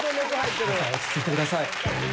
皆さん落ち着いてください。